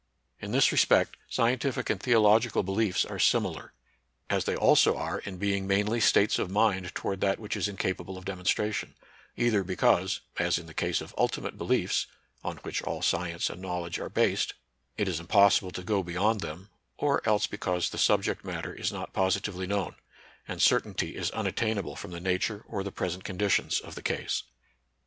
In this respect, scientific and theological beliefs are similar ; as they also are in being mainly states of mind toward that which is incapable of dem onstration, — either because, as in the case of ultimate beliefs (on which all science and knowl edge are based) it is impossible to go beyond them, or else because the subject matter is not positively known, and certainty is unattainable from the nature or the present conditions of the case.